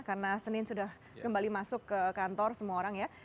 karena senin sudah kembali masuk ke kantor semua orang ya